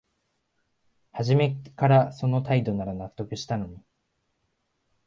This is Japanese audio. はじめからその態度なら納得したのに